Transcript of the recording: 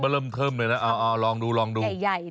ชิ้นเริ่มเพิ่มโดยนะอ่อออลองดูลองดู